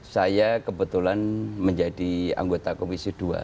saya kebetulan menjadi anggota komisi dua